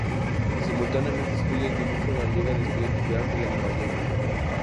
Simultáneamente estudia dibujo en la Liga de estudiantes de arte de Nueva York.